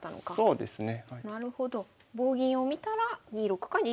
そうですね。